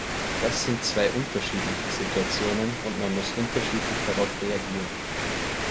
Das sind zwei unterschiedliche Situationen, und man muss unterschiedlich darauf reagieren.